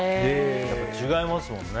やっぱり違いますもんね。